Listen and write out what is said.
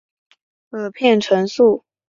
萼片宿存。